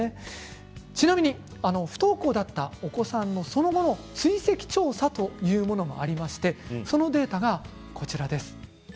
ちなみに不登校だったお子さんのその後の追跡調査というものもありましてそのデータがこちら。